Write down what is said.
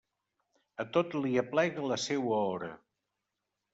A tot li aplega la seua hora.